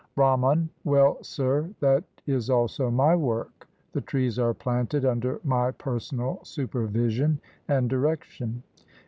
Brahman. — Well, sir, that is also my work. The trees are planted under my personal supervision and direction.